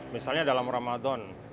misalnya dalam ramadan